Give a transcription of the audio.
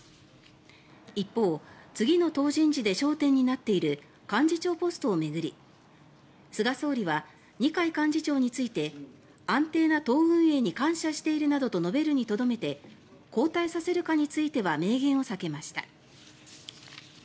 一方、次の党人事で焦点になっている幹事長ポストを巡り菅総理は、二階幹事長について安定な党運営に感謝しているなどと述べるにとどめて交代させるかについては明言を避けました。